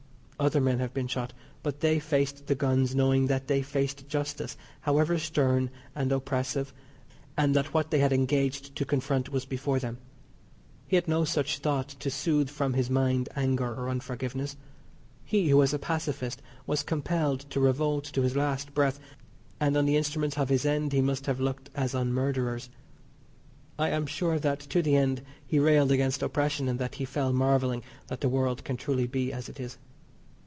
Other men have been shot, but they faced the guns knowing that they faced justice, however stern and oppressive; and that what they had engaged to confront was before them. He had no such thought to soothe from his mind anger or unforgiveness. He who was a pacifist was compelled to revolt to his last breath, and on the instruments of his end he must have looked as on murderers. I am sure that to the end he railed against oppression, and that he fell marvelling that the world can truly be as it is.